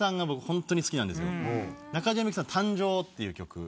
中島みゆきさん『誕生』っていう曲。